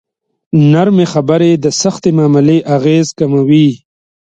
نرمې خبرې د سختې معاملې اغېز کموي.